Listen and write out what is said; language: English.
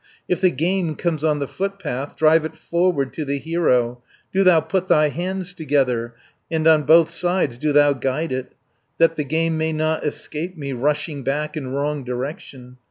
"If the game comes on the footpath, Drive it forward to the hero, Do thou put thy hands together, And on both sides do thou guide it, 190 That the game may not escape me, Rushing back in wrong direction.